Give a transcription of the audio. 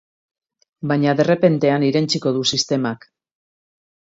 Baina derrepentean irentsiko du sistemak.